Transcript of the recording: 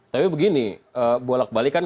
tapi begini bolak balikan